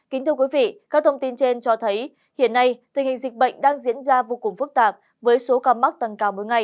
kính thưa quý vị các thông tin trên cho thấy hiện nay tình hình dịch bệnh đang diễn ra vô cùng phức tạp với số ca mắc tăng cao mỗi ngày